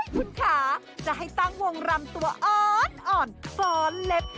คุณคะจะให้ตั้งวงรำตัวอ่อนฟ้อนเล็บ